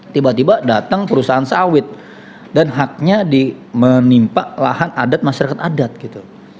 tiba tiba datang perusahaan sawit dan haknya menimpa lahan adat masyarakat adat gitu